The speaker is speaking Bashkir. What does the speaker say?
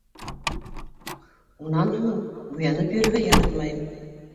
Унан һуң, буянып йөрөргә яратмайым.